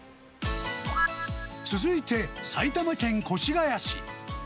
続いて、埼玉県越谷市。